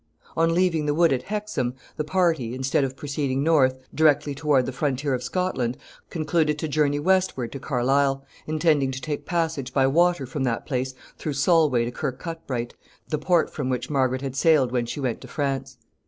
] On leaving the wood at Hexham, the party, instead of proceeding north, directly toward the frontier of Scotland, concluded to journey westward to Carlisle, intending to take passage by water from that place through Solway to Kirkcudbright, the port from which Margaret had sailed when she went to France.